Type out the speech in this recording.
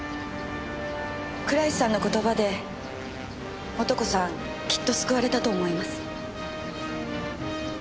倉石さんの言葉で素子さんきっと救われたと思います。